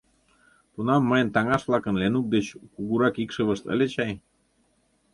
Тунам мыйын таҥаш-влакын Ленук дечат кугурак икшывышт ыле чай.